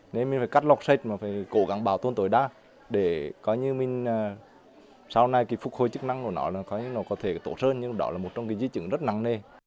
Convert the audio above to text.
nên mình phải cắt lọc sệt mà phải cố gắng bảo tồn tối đa để có như mình sau này phục hồi chức năng của nó là có thể tổn sơn nhưng đó là một trong những dĩ trưởng rất nặng nề